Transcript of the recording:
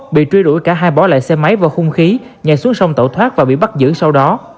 bị truy đuổi cả hai bỏ lại xe máy và hung khí nhảy xuống sông tẩu thoát và bị bắt giữ sau đó